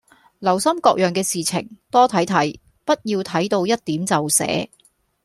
留心各樣嘅事情，多睇睇，不要睇到一點就寫